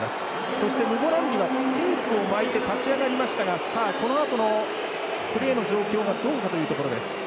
そしてムボナンビはテープを巻いて立ち上がりましたがこのあとのプレーの状況がどうかというところです。